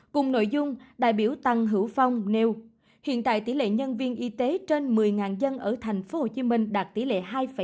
cùng nội dung đại biểu tăng hữu phong nêu hiện tại tỷ lệ nhân viên y tế trên một mươi dân ở thành phố hồ chí minh đạt tỷ lệ hai ba mươi một